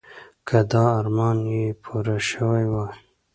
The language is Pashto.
که دا ارمان یې پوره شوی وای.